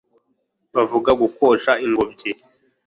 bavuga gukosha ingobyi